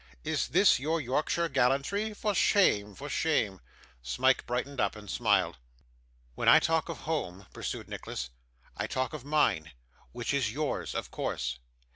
Is this your Yorkshire gallantry? For shame! for shame!' Smike brightened up and smiled. 'When I talk of home,' pursued Nicholas, 'I talk of mine which is yours of course.